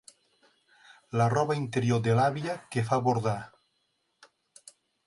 La roba interior de l'àvia que fa bordar.